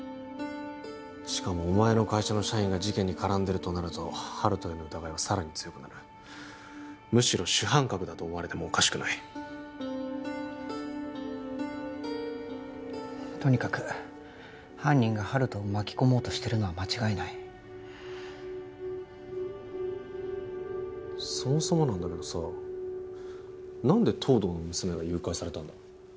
しかもお前の会社の社員が事件に絡んでるとなると温人への疑いはさらに強くなるむしろ主犯格だと思われてもおかしくないとにかく犯人が温人を巻き込もうとしてるのは間違いないそもそもなんだけどさ何で東堂の娘が誘拐されたんだ？